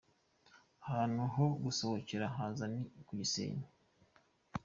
Ahantu ho gusohokera haza ni ku Gisenyi.